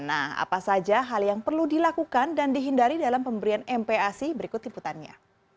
nah apa saja hal yang perlu dilakukan dan dihindari dalam pemberian mpac berikut liputannya